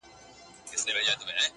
زاړه، په خواړه.